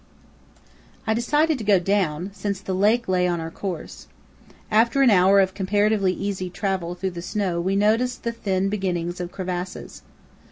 I decided to go down, since the lake lay on our course. After an hour of comparatively easy travel through the snow we noticed the thin beginnings of crevasses.